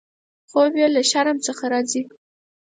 خوب یې له شرم څخه راځي.